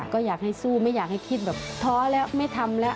ก็อยากให้สู้ไม่อยากให้คิดแบบท้อแล้วไม่ทำแล้ว